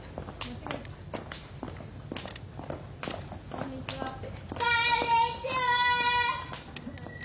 こんにちはって。